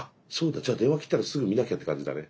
じゃあ電話切ったらすぐ見なきゃって感じだね。